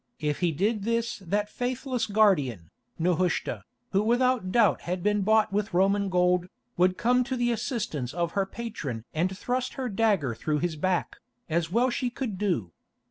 If he did this that faithless guardian, Nehushta, who without doubt had been bought with Roman gold, would come to the assistance of her patron and thrust her dagger through his back, as she well could do.